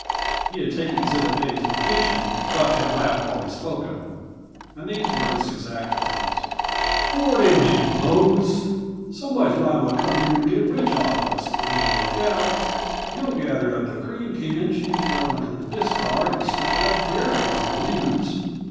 He had taken Exhibit A to the kitchen, but had laughed while he spoke of it. And these were his exact words: "Lordy me, Mose! Somebody's liable to come here and get rich off us, if we don't look out. He'll gather up the cream cans you throw into the discard and start a dairy on the leavings."